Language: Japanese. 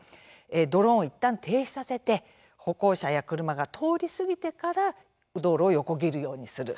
ドローンを、いったん停止させて歩行者や車が通り過ぎてから道路を横切るようにする。